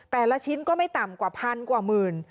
แต่ละชิ้นก็ไม่ต่ำกว่าพันกว่าหมื่น